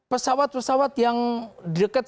pesawat pesawat yang dekat